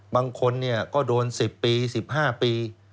บางคนเนี่ยก็โดน๑๐ปี๑๕ปี